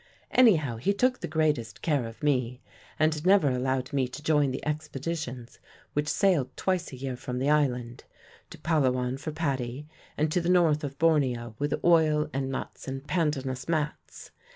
Anyhow, he took the greatest care of me, and never allowed me to join the expeditions which sailed twice a year from the island to Palawan for paddy, and to the north of Borneo with oil and nuts and pandanus mats.